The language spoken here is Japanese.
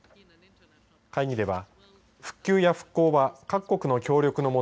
会議では復旧や復興は、各国の協力の下